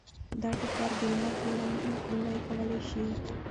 دا ټکر د لمر د وړانګو مخنیوی کولی شي.